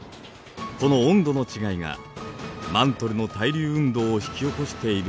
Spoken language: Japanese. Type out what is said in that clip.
この温度の違いがマントルの対流運動を引き起こしているのです。